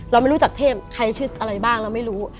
เราไม่รู้จักเทพใครชื่ออะไรบ้างเราไม่รู้